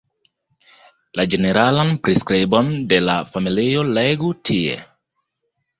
La ĝeneralan priskribon de la familio legu tie.